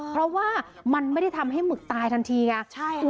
เพราะว่ามันไม่ได้ทำให้หมึกตายทันทีไง